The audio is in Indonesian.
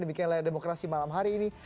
demikianlah demokrasi malam hari ini